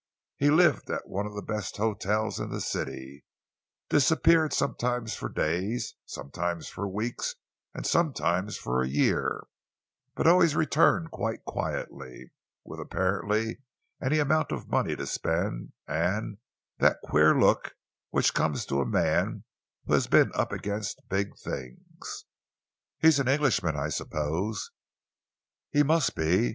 He lived at one of the best hotels in the city, disappeared sometimes for days, sometimes for weeks, sometimes for a year, but always returned quite quietly, with apparently any amount of money to spend, and that queer look which comes to a man who has been up against big things." "He is an Englishman, I suppose?" "He must be.